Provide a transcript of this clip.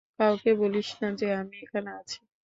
কাউকে বলিস না যে আমি এখানে আছি।